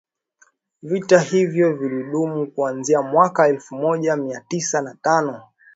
Vita hivyo vilidumu kuanzia mwaka elfu moja mia tisa na tano